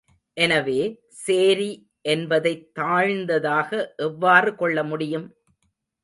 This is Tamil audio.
எனவே, சேரி என்பதைத் தாழ்ந்ததாக எவ்வாறு கொள்ள முடியும்?